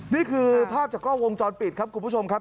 นี่คือภาพจากกล้องวงจรปิดครับคุณผู้ชมครับ